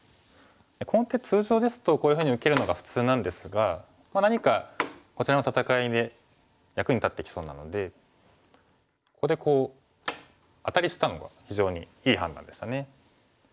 この手通常ですとこういうふうに受けるのが普通なんですが何かこちらの戦いで役に立ってきそうなのでここでこうアタリしたのが非常にいい判断でしたね。